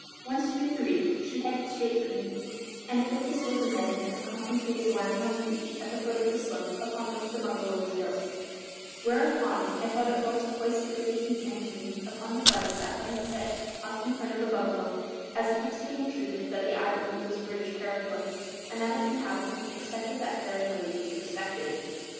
Once through the reef, she headed straight for Eden, and it looked as though the men in her contemplated landing on the beach at the foot of the slope upon which the bungalow was built; whereupon I thought it well to hoist the brigantine's ensign upon the flagstaff I had set up in front of the bungalow, as a hint to the intruders that the island was British territory, and that its inhabitants expected that territory to be respected.